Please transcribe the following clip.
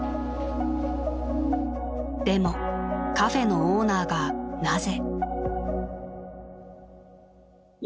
［でもカフェのオーナーがなぜ］